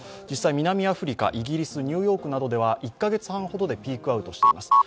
実際南アフリカ、イギリス、ニューヨークなどでは１カ月半ほどでピークアウトしています。